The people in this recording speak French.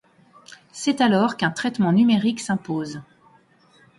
C'est alors qu'un traitement numérique s'impose.